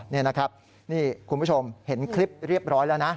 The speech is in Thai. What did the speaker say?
นี่นะครับนี่คุณผู้ชมเห็นคลิปเรียบร้อยแล้วนะ